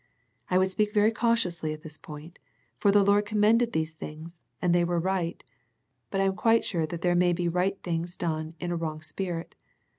I would speak very cautiously at this point, for the Lord commended these things, and they were right, but I am quite sure that there may be right things done in a wrong spirit.